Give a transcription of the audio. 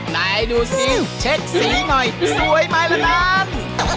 ไหนดูสิเช็คสีหน่อยสวยไหมล่ะนั้น